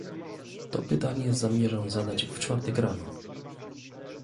To pytanie zamierzam zadać w czwartek rano